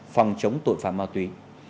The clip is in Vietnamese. phòng chống tội phạm ma túy